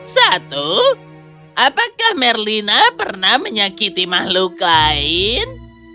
satu apakah merlina pernah menyakiti makhluk lain